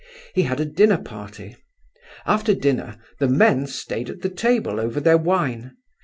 He had a dinner party. After dinner the men stayed at the table over their wine.